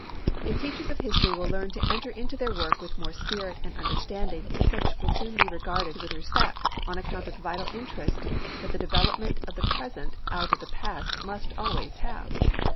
If teachers of history will learn to enter into their work with more spirit and understanding the subject will soon be regarded with respect on account of the vital interest that the development of the present out of the past must always have.